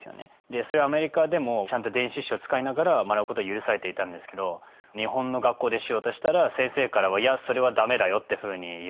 それはアメリカでもちゃんと電子辞書使いながら学ぶことは許されていたんですけど日本の学校でしようとしたら先生から「いやそれはダメだよ」っていうふうに言われて。